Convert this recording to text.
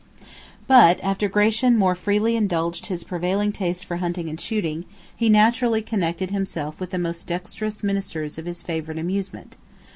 But, after Gratian more freely indulged his prevailing taste for hunting and shooting, he naturally connected himself with the most dexterous ministers of his favorite amusement.